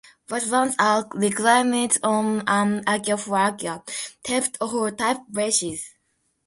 Wetlands are reclaimed on an acre for acre, type for type basis.